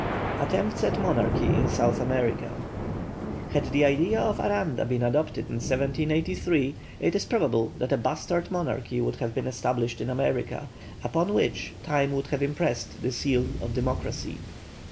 ATTEMPTS AT MONARCHY IN SOUTH AMERICA. Had the idea of Aranda been adopted in 1783, it is probable that a bastard monarchy would have been established in America, upon which time would have impressed the seal of democracy.